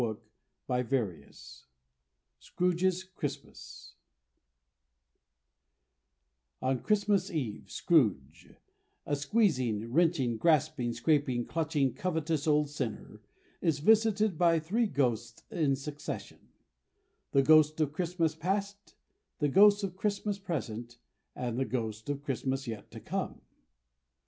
Lord Dufferin SCROOGE'S CHRISTMAS (On Christmas Eve, Scrooge, "a squeezing, wrenching, grasping, scraping, clutching, covetous old sinner," is visited by three ghosts in succession The Ghost of Christmas Past, the Ghost of Christmas Present, and the Ghost of Christmas Yet to Come.